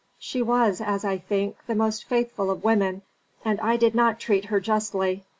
"She was, as I think, the most faithful of women, and I did not treat her justly.